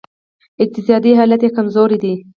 اقتصادي حالت یې کمزوری دی